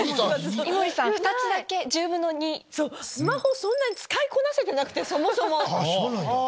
そんなに使いこなせてなくてそもそも。